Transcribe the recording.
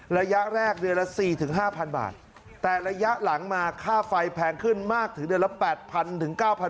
ระยะแรกเดือนละ๔๕๐๐บาทแต่ระยะหลังมาค่าไฟแพงขึ้นมากถึงเดือนละ๘๐๐ถึง๙๐๐